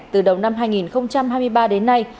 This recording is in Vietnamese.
từ đầu năm hai nghìn hai mươi ba đến nay